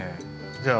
じゃあ。